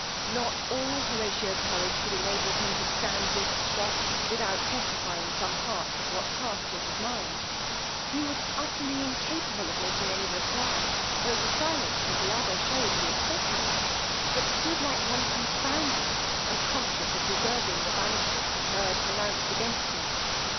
Not all Horatio's courage could enable him to stand this shock, without testifying some part of what passed in his mind: he was utterly incapable of making any reply, tho' the silence of the other shewed he expected it, but stood like one confounded, and conscious of deserving the banishment he heard pronounced against him.